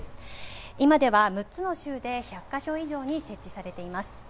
今では、６つの州で１００か所以上に設置されています。